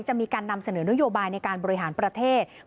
จะมีนำเสียเรินโยบายบริหารประเทศ